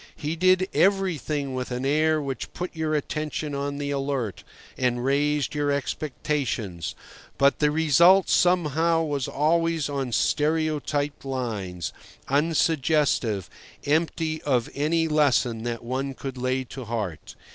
He did everything with an air which put your attention on the alert and raised your expectations, but the result somehow was always on stereotyped lines, unsuggestive, empty of any lesson that one could lay to heart.